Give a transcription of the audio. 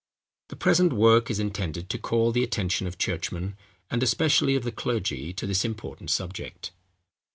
The present work is intended to call the attention of churchmen, and especially of the clergy, to this important subject.